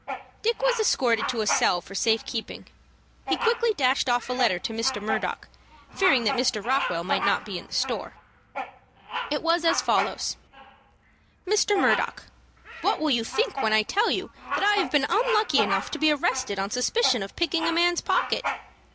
Dick was escorted to a cell for safe keeping. He quickly dashed off a letter to Mr. Murdock, fearing that Mr. Rockwell might not be in the store. It was as follows: "MR. MURDOCK, What will you think when I tell you that I have been unlucky enough to be arrested on suspicion of picking a man's pocket?